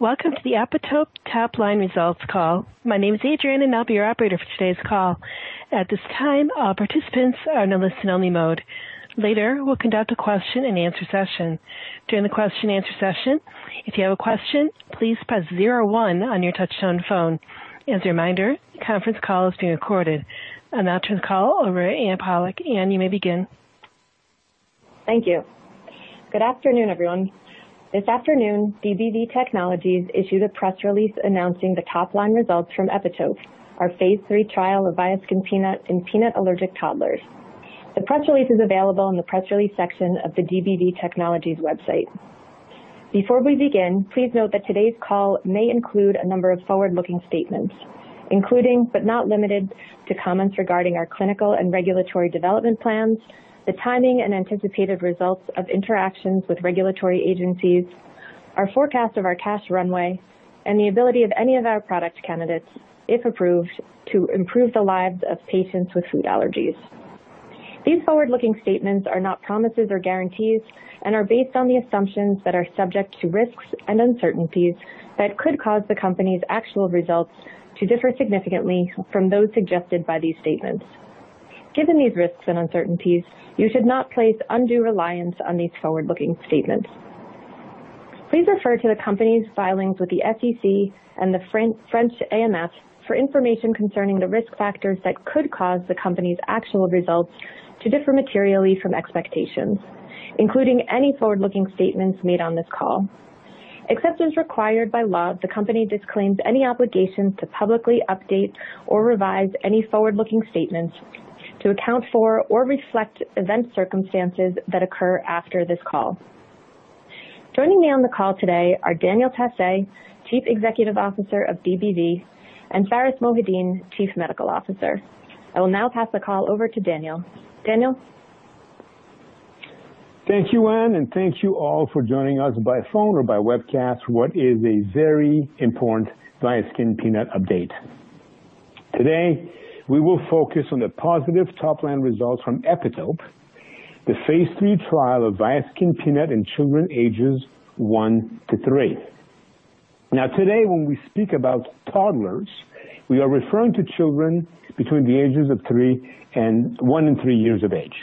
Welcome to the Epitope Top-Line Results Call. My name is Adrian, and I'll be your operator for today's call. At this time, all participants are in a listen-only mode. Later, we'll conduct a question-and-answer session. During the question-and-answer session, if you have a question, please press zero one on your touch-tone phone. As a reminder, conference call is being recorded. I'll now turn the call over Anne Pollak. Anne, you may begin. Thank you. Good afternoon, everyone. This afternoon, DBV Technologies issued a press release announcing the top-line results from Epitope, our phase III trial of Viaskin Peanut in peanut allergic toddlers. The press release is available in the Press Release section of the DBV Technologies website. Before we begin, please note that today's call may include a number of forward-looking statements, including, but not limited to, comments regarding our clinical and regulatory development plans, the timing and anticipated results of interactions with regulatory agencies, our forecast of our cash runway, and the ability of any of our product candidates, if approved, to improve the lives of patients with food allergies. These forward-looking statements are not promises or guarantees and are based on the assumptions that are subject to risks and uncertainties that could cause the company's actual results to differ significantly from those suggested by these statements. Given these risks and uncertainties, you should not place undue reliance on these forward-looking statements. Please refer to the company's filings with the SEC and the French AMF for information concerning the risk factors that could cause the company's actual results to differ materially from expectations, including any forward-looking statements made on this call. Except as required by law, the company disclaims any obligations to publicly update or revise any forward-looking statements to account for or reflect event circumstances that occur after this call. Joining me on the call today are Daniel Tassé, Chief Executive Officer of DBV, and Pharis Mohideen, Chief Medical Officer. I will now pass the call over to Daniel. Daniel. Thank you, Anne, and thank you all for joining us by phone or by webcast. What a very important Viaskin Peanut update. Today, we will focus on the positive top-line results from Epitope, the phase III trial of Viaskin Peanut in children ages 1 to 3. Now, today, when we speak about toddlers, we are referring to children between the ages of one and three years of age.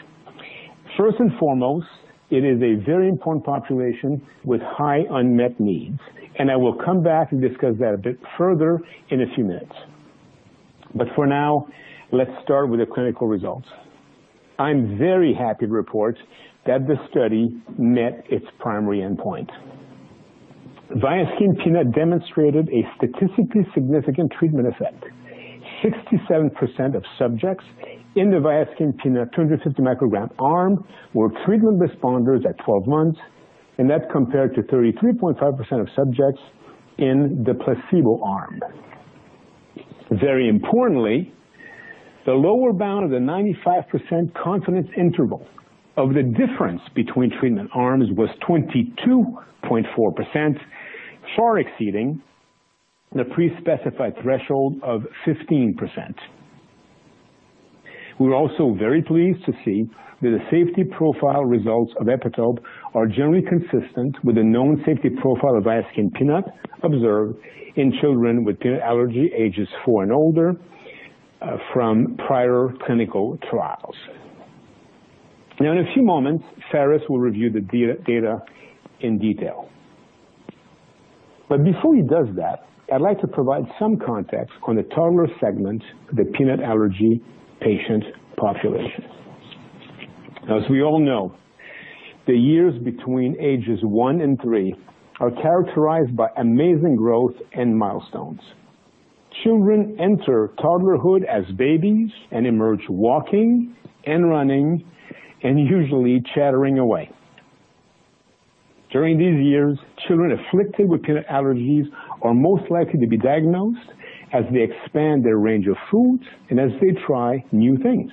First and foremost, it is a very important population with high unmet needs, and I will come back and discuss that a bit further in a few minutes. For now, let's start with the clinical results. I'm very happy to report that the study met its primary endpoint. Viaskin Peanut demonstrated a statistically significant treatment effect. 67% of subjects in the Viaskin Peanut 250 microgram arm were treatment responders at 12 months, and that compared to 33.5% of subjects in the placebo arm. Very importantly, the lower bound of the 95% confidence interval of the difference between treatment arms was 22.4%, far exceeding the pre-specified threshold of 15%. We were also very pleased to see that the safety profile results of Epitope are generally consistent with the known safety profile of Viaskin Peanut observed in children with peanut allergy ages four and older, from prior clinical trials. Now, in a few moments, Pharis will review the data in detail. Before he does that, I'd like to provide some context on the toddler segment of the peanut allergy patient population. As we all know, the years between ages one and three are characterized by amazing growth and milestones. Children enter toddlerhood as babies and emerge walking and running and usually chattering away. During these years, children afflicted with peanut allergies are most likely to be diagnosed as they expand their range of foods and as they try new things.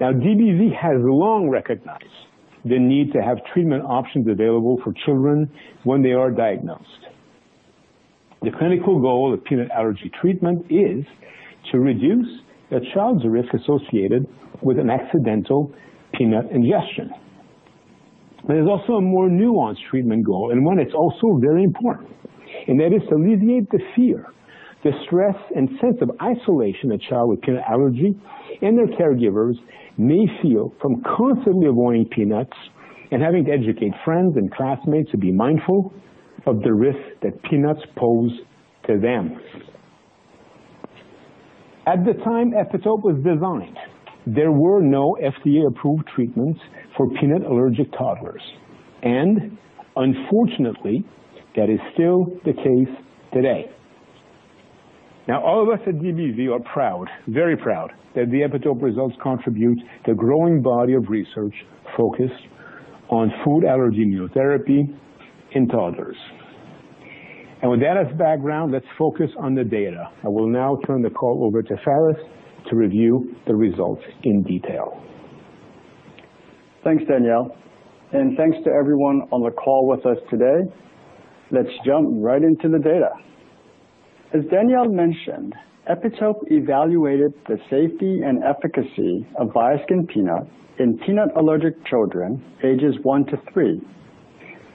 Now, DBV has long recognized the need to have treatment options available for children when they are diagnosed. The clinical goal of peanut allergy treatment is to reduce a child's risk associated with an accidental peanut ingestion. There is also a more nuanced treatment goal and one that's also very important, and that is to alleviate the fear, the stress and sense of isolation a child with peanut allergy and their caregivers may feel from constantly avoiding peanuts and having to educate friends and classmates to be mindful of the risk that peanuts pose to them. At the time Epitope was designed, there were no FDA-approved treatments for peanut allergic toddlers. Unfortunately, that is still the case today. Now, all of us at DBV are proud, very proud, that the Epitope results contribute to the growing body of research focused on food allergy immunotherapy in toddlers. With that as background, let's focus on the data. I will now turn the call over to Pharis to review the results in detail. Thanks, Daniel, and thanks to everyone on the call with us today. Let's jump right into the data. As Daniel mentioned, Epitope evaluated the safety and efficacy of Viaskin Peanut in peanut-allergic children ages one to three.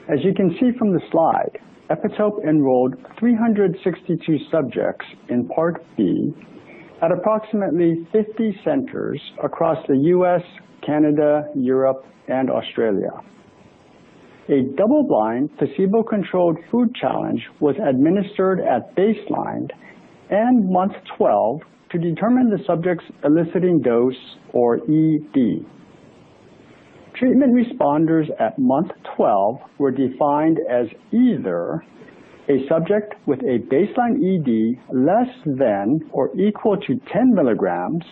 As you can see from the slide, Epitope enrolled 362 subjects in part B at approximately 50 centers across the U.S., Canada, Europe, and Australia. A double-blind, placebo-controlled food challenge was administered at baseline and month 12 to determine the subject's eliciting dose or ED. Treatment responders at month 12 were defined as either a subject with a baseline ED less than or equal to 10 milligrams,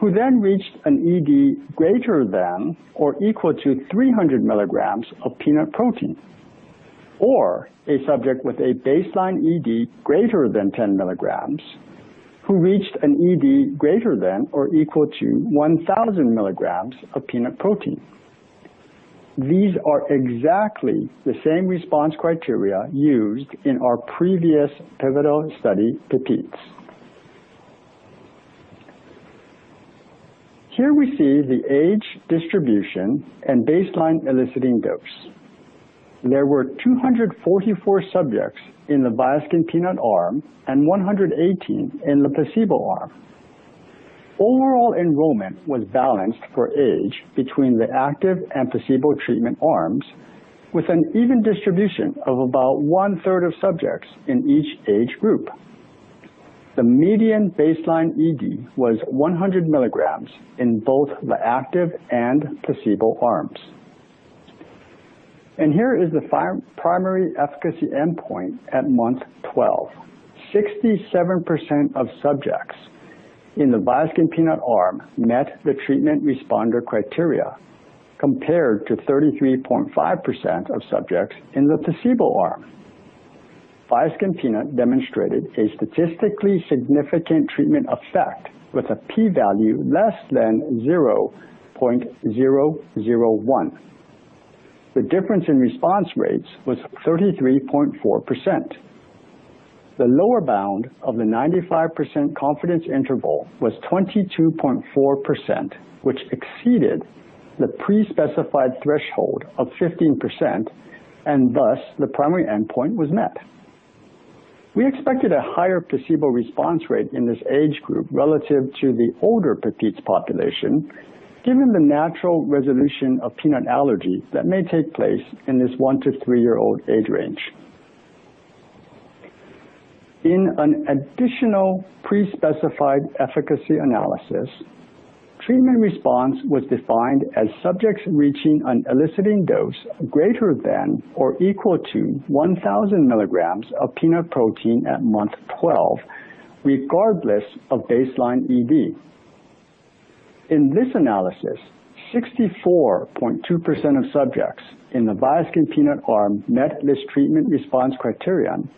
who then reached an ED greater than or equal to 300 milligrams of peanut protein, or a subject with a baseline ED greater than 10 milligrams who reached an ED greater than or equal to 1,000 milligrams of peanut protein. These are exactly the same response criteria used in our previous pivotal study, PEPITES. Here we see the age distribution and baseline eliciting dose. There were 244 subjects in the Viaskin Peanut arm and 118 in the placebo arm. Overall enrollment was balanced for age between the active and placebo treatment arms with an even distribution of about one-third of subjects in each age group. The median baseline ED was 100 milligrams in both the active and placebo arms. Here is the primary efficacy endpoint at month 12. 67% of subjects in the Viaskin Peanut arm met the treatment responder criteria, compared to 33.5% of subjects in the placebo arm. Viaskin Peanut demonstrated a statistically significant treatment effect with a P value less than 0.001. The difference in response rates was 33.4%. The lower bound of the 95% confidence interval was 22.4%, which exceeded the pre-specified threshold of 15%, and thus, the primary endpoint was met. We expected a higher placebo response rate in this age group relative to the older PEPITES population, given the natural resolution of peanut allergy that may take place in this 1- to 3-year-old age range. In an additional pre-specified efficacy analysis, treatment response was defined as subjects reaching an eliciting dose greater than or equal to 1,000 milligrams of peanut protein at month 12, regardless of baseline ED. In this analysis, 64.2% of subjects in the Viaskin Peanut arm met this treatment response criterion,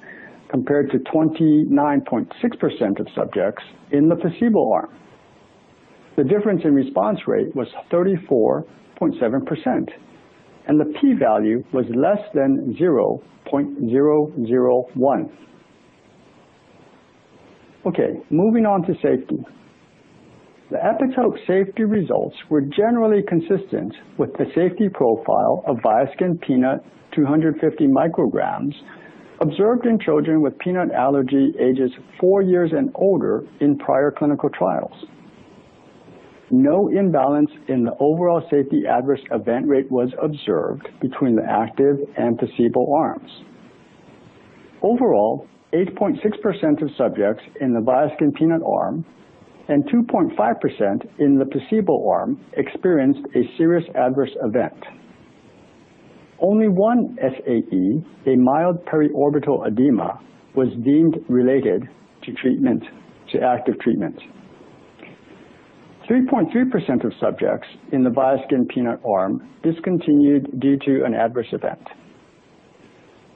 compared to 29.6% of subjects in the placebo arm. The difference in response rate was 34.7%, and the P value was less than 0.001. Okay, moving on to safety. The Epitope safety results were generally consistent with the safety profile of Viaskin Peanut 250 micrograms observed in children with peanut allergy ages four years and older in prior clinical trials. No imbalance in the overall safety adverse event rate was observed between the active and placebo arms. Overall, 8.6% of subjects in the Viaskin Peanut arm and 2.5% in the placebo arm experienced a serious adverse event. Only one SAE, a mild periorbital edema, was deemed related to treatment, to active treatment. 3.3% of subjects in the Viaskin Peanut arm discontinued due to an adverse event.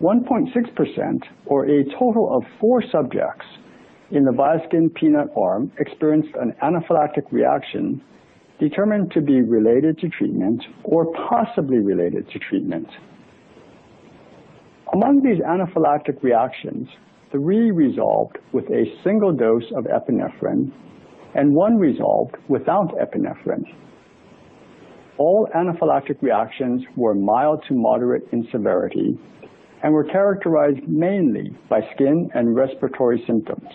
1.6% or a total of four subjects in the Viaskin Peanut arm experienced an anaphylactic reaction determined to be related to treatment or possibly related to treatment. Among these anaphylactic reactions, three resolved with a single dose of epinephrine, and one resolved without epinephrine. All anaphylactic reactions were mild to moderate in severity and were characterized mainly by skin and respiratory symptoms.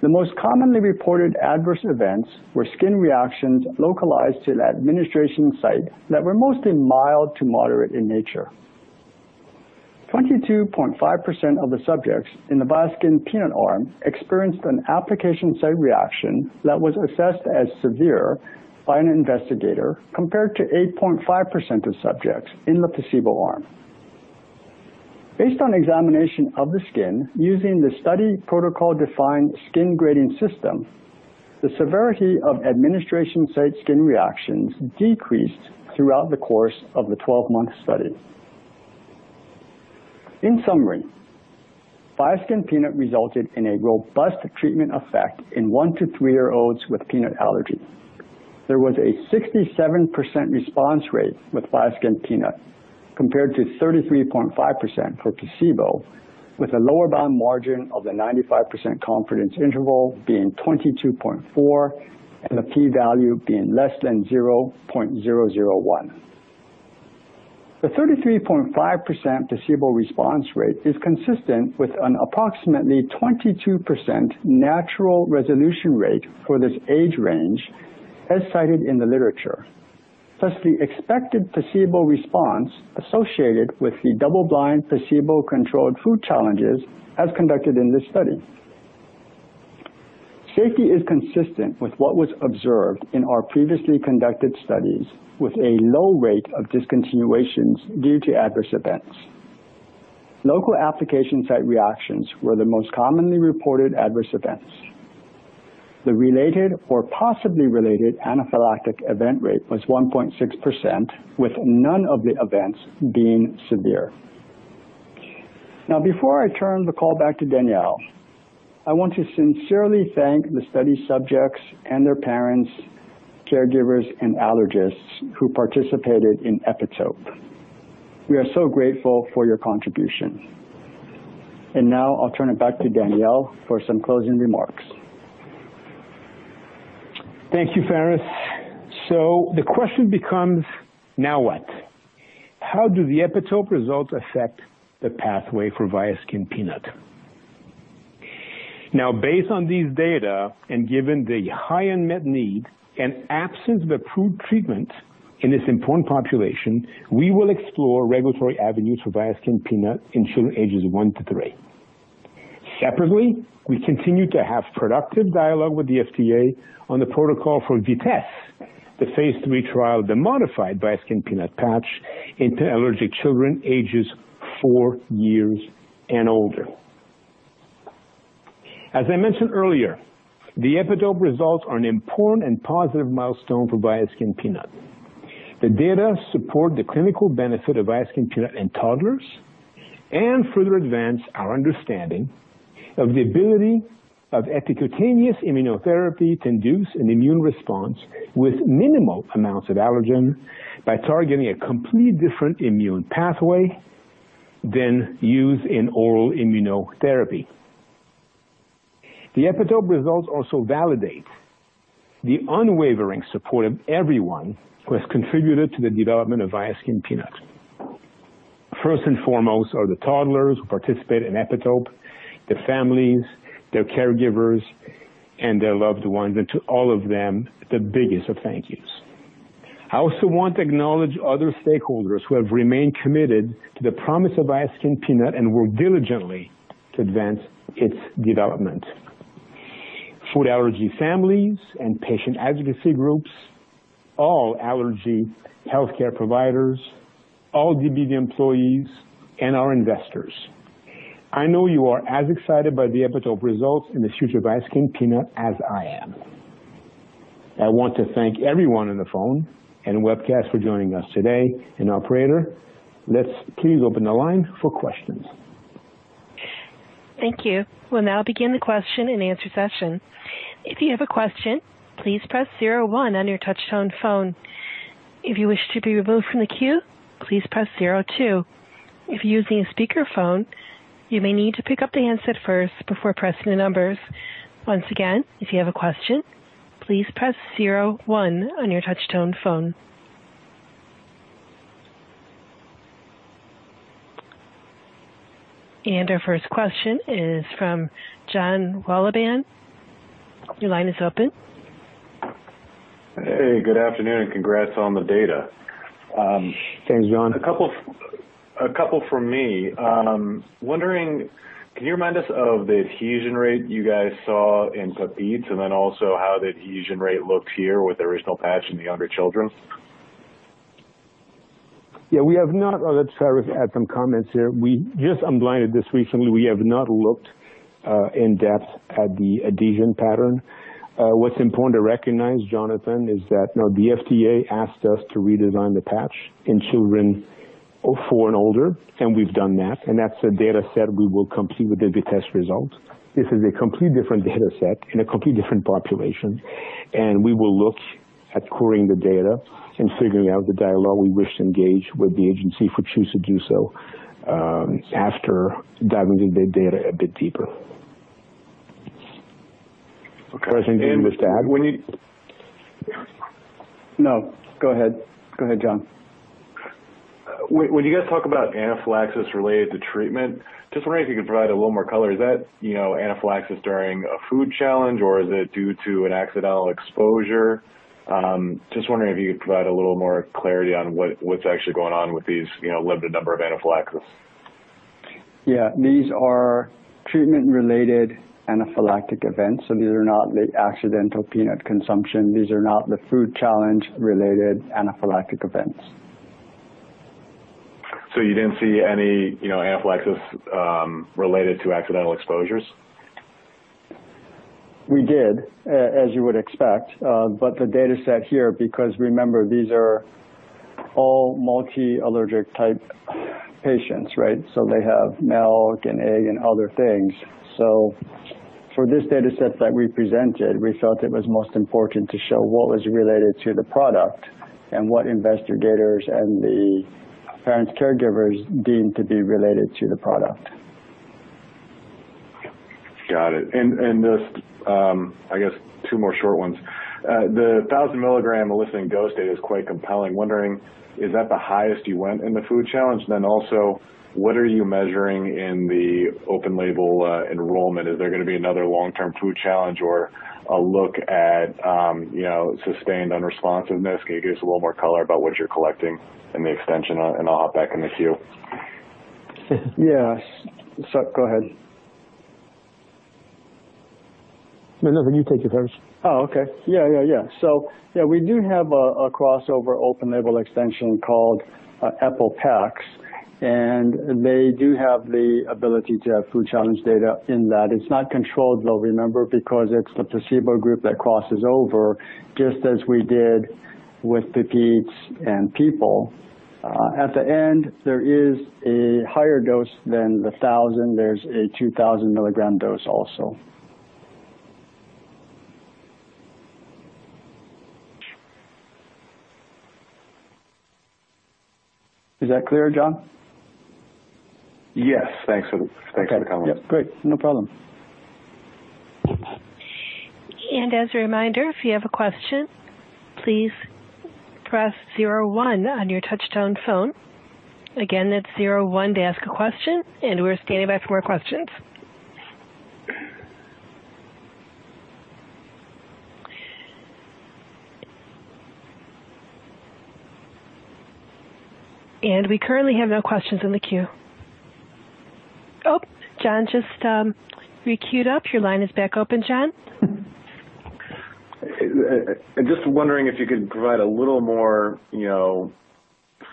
The most commonly reported adverse events were skin reactions localized to the administration site that were mostly mild to moderate in nature. 22.5% of the subjects in the Viaskin Peanut arm experienced an application site reaction that was assessed as severe by an investigator, compared to 8.5% of subjects in the placebo arm. Based on examination of the skin using the study protocol-defined skin grading system, the severity of administration site skin reactions decreased throughout the course of the 12-month study. In summary, Viaskin Peanut resulted in a robust treatment effect in 1-to-3-year-olds with peanut allergy. There was a 67% response rate with Viaskin Peanut compared to 33.5% for placebo, with a lower bound margin of the 95% confidence interval being 22.4 and the P value being less than 0.001. The 33.5% placebo response rate is consistent with an approximately 22% natural resolution rate for this age range, as cited in the literature, plus the expected placebo response associated with the double-blind, placebo-controlled food challenges as conducted in this study. Safety is consistent with what was observed in our previously conducted studies, with a low rate of discontinuations due to adverse events. Local application site reactions were the most commonly reported adverse events. The related or possibly related anaphylactic event rate was 1.6%, with none of the events being severe. Now, before I turn the call back to Daniel, I want to sincerely thank the study subjects and their parents, caregivers, and allergists who participated in Epitope. We are so grateful for your contribution. Now I'll turn it back to Daniel for some closing remarks. Thank you, Pharis. The question becomes, now what? How do the Epitope results affect the pathway for Viaskin Peanut? Now, based on these data, and given the high unmet need and absence of approved treatment in this important population, we will explore regulatory avenues for Viaskin Peanut in children ages 1 to 3. Separately, we continue to have productive dialogue with the FDA on the protocol for VITES, the phase III trial of the modified Viaskin Peanut patch in allergic children ages 4 years and older. As I mentioned earlier, the Epitope results are an important and positive milestone for Viaskin Peanut. The data support the clinical benefit of Viaskin Peanut in toddlers and further advance our understanding of the ability of epicutaneous immunotherapy to induce an immune response with minimal amounts of allergen by targeting a completely different immune pathway than used in oral immunotherapy. The Epitope results also validate the unwavering support of everyone who has contributed to the development of Viaskin Peanut. First and foremost are the toddlers who participate in Epitope, their families, their caregivers, and their loved ones. To all of them, the biggest of thank yous. I also want to acknowledge other stakeholders who have remained committed to the promise of Viaskin Peanut and work diligently to advance its development. Food allergy families and patient advocacy groups, all allergy healthcare providers, all DBV employees, and our investors. I know you are as excited by the Epitope results and the future of Viaskin Peanut as I am. I want to thank everyone on the phone and webcast for joining us today. Operator, let's please open the line for questions. Thank you. We'll now begin the question and answer session. If you have a question, please press zero one on your touchtone phone. If you wish to be removed from the queue, please press zero two. If you're using a speakerphone, you may need to pick up the handset first before pressing the numbers. Once again, if you have a question, please press zero one on your touchtone phone. Our first question is from Jonathan Wolleben. Your line is open. Hey, good afternoon, and congrats on the data. Thanks, John. A couple from me. Wondering, can you remind us of the adhesion rate you guys saw in PEPITES? Also how the adhesion rate looks here with the original patch in the younger children? Yeah, we have not. Let Pharis add some comments here. We just unblinded this recently. We have not looked in depth at the adhesion pattern. What's important to recognize, Jonathan, is that, you know, the FDA asked us to redesign the patch in children four and older, and we've done that. That's the data set we will complete with the VITES results. This is a completely different data set in a completely different population, and we will look at querying the data and figuring out the dialogue we wish to engage with the agency, if we choose to do so, after diving in the data a bit deeper. Okay. Pharis, anything you wish to add? No, go ahead. Go ahead, John. When you guys talk about anaphylaxis related to treatment, just wondering if you could provide a little more color. Is that, you know, anaphylaxis during a food challenge, or is it due to an accidental exposure? Just wondering if you could provide a little more clarity on what's actually going on with these, you know, limited number of anaphylaxis. Yeah. These are treatment-related anaphylactic events, so these are not the accidental peanut consumption. These are not the food challenge-related anaphylactic events. You didn't see any, you know, anaphylaxis, related to accidental exposures? We did, as you would expect. The data set here, because remember, these are all multi-allergic type patients, right? They have milk and egg and other things. For this data set that we presented, we felt it was most important to show what was related to the product and what investigators and the parents, caregivers deemed to be related to the product. Got it. Just, I guess, two more short ones. The 1,000 milligram eliciting dose data is quite compelling. Wondering, is that the highest you went in the food challenge? Then also, what are you measuring in the open label enrollment? Is there gonna be another long-term food challenge or a look at, you know, sustained unresponsiveness? Can you give us a little more color about what you're collecting in the extension? I'll hop back in the queue. Yes. Go ahead. No, no, you take it first. Oh, okay. Yeah. We do have a crossover open-label extension called EPOPEX, and they do have the ability to have food challenge data in that. It's not controlled though, remember, because it's the placebo group that crosses over, just as we did with the PEPITES and PEOPLE. At the end, there is a higher dose than the 1,000. There's a 2,000 milligram dose also. Is that clear, John? Yes. Thanks for the comments. Yep. Great. No problem. As a reminder, if you have a question, please press zero one on your touchtone phone. Again, it's zero one to ask a question, and we're standing by for more questions. We currently have no questions in the queue. Oh, Jonathan, just re-queued up. Your line is back open, Jonathan. Just wondering if you could provide a little more, you know,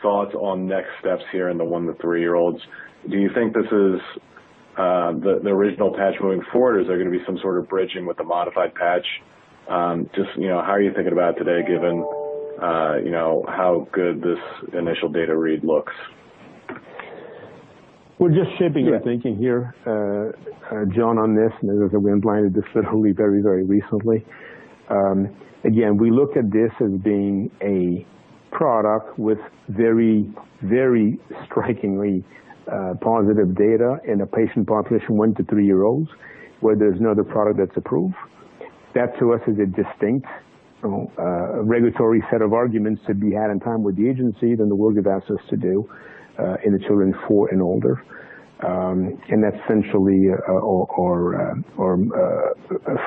thoughts on next steps here in the 1-3-year-olds. Do you think this is the original patch moving forward, or is there gonna be some sort of bridging with the modified patch? Just, you know, how are you thinking about today, given, you know, how good this initial data read looks? We're just shaping our thinking here, John, on this. As I mentioned, we unblinded this literally very, very recently. Again, we look at this as being a product with very, very strikingly positive data in a patient population, 1- to 3-year-olds, where there's no other product that's approved. That to us is a distinct regulatory set of arguments that we have in mind with the agency than the work it asked us to do in the children 4 and older. That's essentially our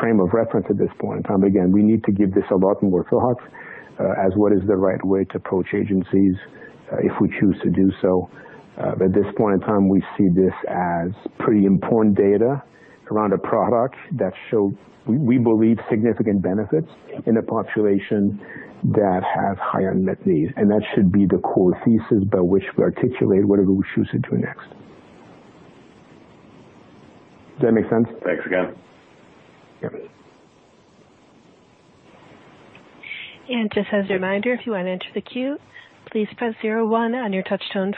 frame of reference at this point in time. Again, we need to give this a lot more thought as to what is the right way to approach agencies if we choose to do so. at this point in time, we see this as pretty important data around a product that showed, we believe significant benefits in a population that have high unmet needs. That should be the core thesis by which we articulate whatever we choose to do next. Does that make sense? Thanks again. Yep. Just as a reminder, if you wanna enter the queue, please press zero one on your touchtone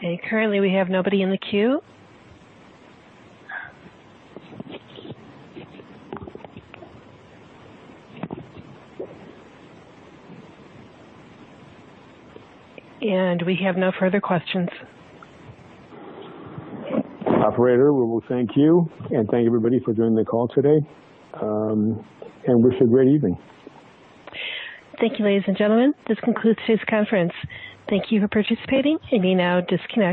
phone. Currently, we have nobody in the queue. We have no further questions. Operator, well, we thank you, and thank you, everybody, for joining the call today. Wish you a great evening. Thank you, ladies and gentlemen. This concludes today's conference. Thank you for participating. You may now disconnect.